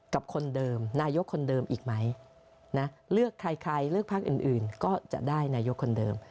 กับคนเดิมนายกคนเดิมอีกไหมนะเลือกใครใครเลือกพักอื่นก็จะได้นายกคนเดิม